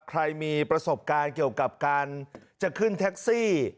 ใครมีประสบการณ์เกี่ยวกับการจะขึ้นแท็กซี่